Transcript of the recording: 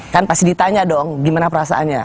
kan pasti ditanya dong gimana perasaannya